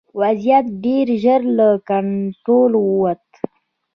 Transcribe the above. وضعیت ډېر ژر له کنټروله ووت.